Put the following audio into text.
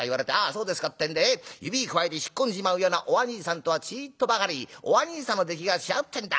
そうですかってんで指くわえて引っ込んじまうようなおあにいさんとはちいっとばかりおあにいさんの出来が違うってんだ。